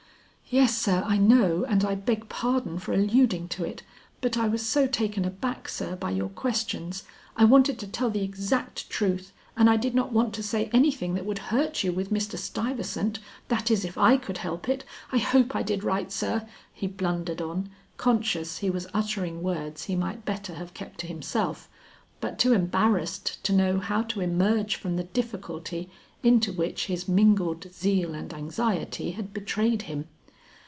"Yes sir, I know, and I beg pardon for alluding to it, but I was so taken aback, sir, by your questions; I wanted to tell the exact truth, and I did not want to say anything that would hurt you with Mr. Stuyvesant; that is if I could help it. I hope I did right, sir," he blundered on, conscious he was uttering words he might better have kept to himself, but too embarrassed to know how to emerge from the difficulty into which his mingled zeal and anxiety had betrayed him.